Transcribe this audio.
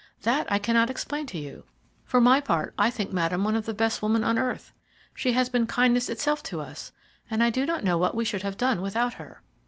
"That I cannot explain to you. For my part, I think Madame one of the best women on earth. She has been kindness itself to us, and I do not know what we should have done without her."